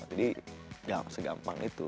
jadi ya segampang itu